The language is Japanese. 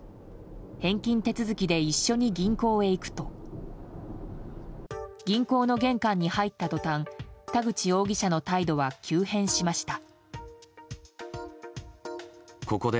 返金手続きで一緒に銀行へ行くと銀行の玄関に入った途端田口容疑者の態度は急変しました。